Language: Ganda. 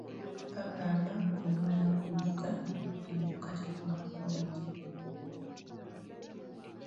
Bagamba guluma yaguzza enjoka teruma kkundi.